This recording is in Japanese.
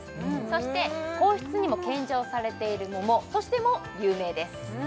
そして皇室にも献上されている桃としても有名です